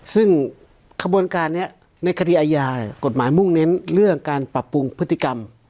ซึ่งขบวนการนี้ในคดีอาญากฎหมายมุ่งเน้นเรื่องการปรับปรุงพฤติกรรม